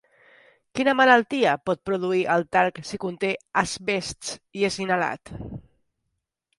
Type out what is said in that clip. Quina malaltia pot produir el talc si conté asbests i és inhalat?